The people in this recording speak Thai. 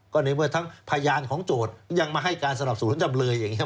ก็ในเมื่อทั้งพยานของโจทย์ยังมาให้การสนับสนุนจำเลยอย่างนี้